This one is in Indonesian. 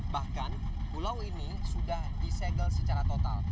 bahkan pulau ini sudah di segel secara total